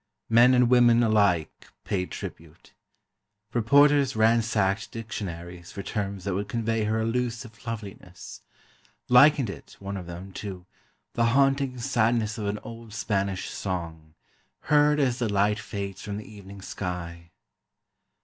Men and women alike paid tribute. Reporters ransacked dictionaries for terms that would convey her elusive loveliness—likened it (one of them) to "the haunting sadness of an old Spanish song, heard as the light fades from the evening sky."